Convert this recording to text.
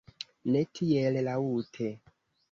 Ne tiel laŭte!